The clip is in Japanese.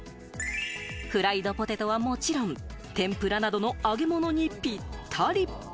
フライドポテトはもちろん、天ぷらなどの揚げ物にぴったり。